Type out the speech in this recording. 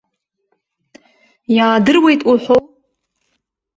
Иаадыруеит уҳәоу?